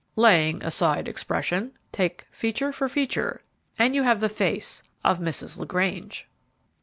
"Laying aside expression, take feature for feature, and you have the face of Mrs. LaGrange."